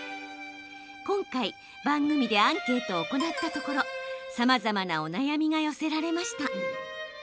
今回、番組でアンケートを行ったところさまざまなお悩みが寄せられました。